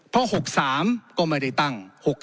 เพราะ๖๓ก็ไม่ได้ตั้ง๖๕